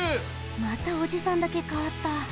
またおじさんだけかわった。